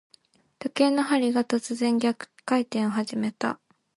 時計の針が、突然逆回転を始めた。